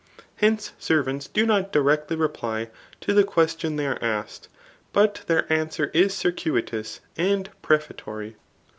Hence, servants do not [directly] reply to the question they are asked, but their answer is cir« cuitous and prefatory.